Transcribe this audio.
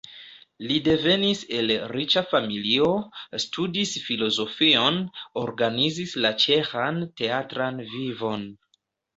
Li devenis el riĉa familio, studis filozofion, organizis la ĉeĥan teatran vivon.